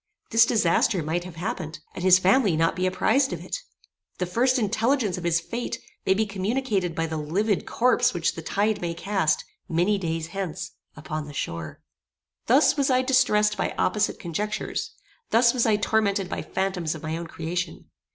This disaster might have happened, and his family not be apprized of it. The first intelligence of his fate may be communicated by the livid corpse which the tide may cast, many days hence, upon the shore. Thus was I distressed by opposite conjectures: thus was I tormented by phantoms of my own creation.